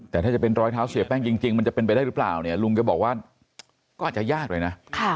แต่ถ้าจะเป็นรอยเท้าเสียแป้งจริงมันจะเป็นไปได้หรือเปล่าเนี่ยลุงก็บอกว่าก็อาจจะยากเลยนะ